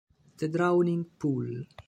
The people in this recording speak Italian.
The Drowning Pool